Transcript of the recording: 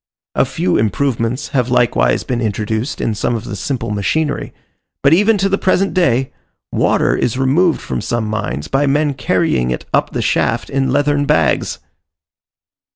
A few improvements have likewise been introduced in some of the simple machinery; but even to the present day, water is removed from some mines by men carrying it up the shaft in leathern bags!